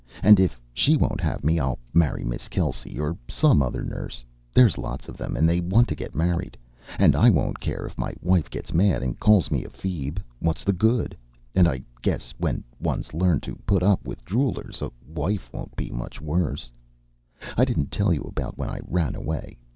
And if she won't have me, I'll marry Miss Kelsey or some other nurse. There's lots of them that want to get married. And I won't care if my wife gets mad and calls me a feeb. What's the good? And I guess when one's learned to put up with droolers a wife won't be much worse. I didn't tell you about when I ran away.